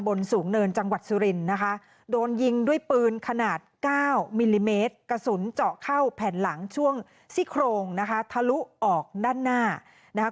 เมลิเมตรกระสุนเจาะเข้าแผ่นหลังช่วงซี่โครงนะคะทะลุออกด้านหน้านะคะ